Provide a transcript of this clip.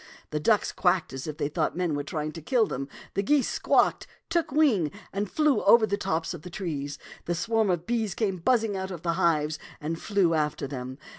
The ducks quacked as if they thought men were trying to kill them ; the geese squawked, took wing, and flew over the tops of the trees; and a swarm of bees came buzz ing out of their hives and flew after them.